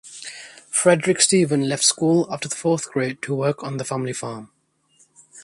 Frederick Stephen left school after the fourth grade to work on the family farm.